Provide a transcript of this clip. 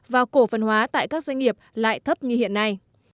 và cổ phần hóa tại các doanh nghiệp lại thấp như hiện nay